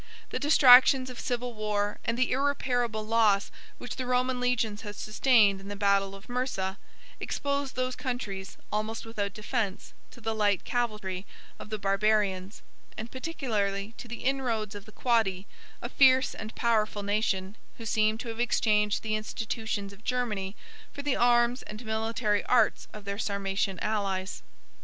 The distractions of civil war, and the irreparable loss which the Roman legions had sustained in the battle of Mursa, exposed those countries, almost without defence, to the light cavalry of the Barbarians; and particularly to the inroads of the Quadi, a fierce and powerful nation, who seem to have exchanged the institutions of Germany for the arms and military arts of their Sarmatian allies.